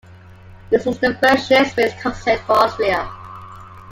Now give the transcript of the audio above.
This was the first shared space concept for Austria.